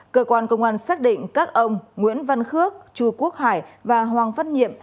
cơ quan công an xác định các ông nguyễn văn khước chu quốc hải và hoàng văn nhiệm